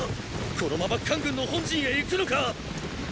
このまま韓軍の本陣へ行くのかっ！